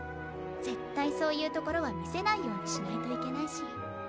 絶対そういうところは見せないようにしないといけないし。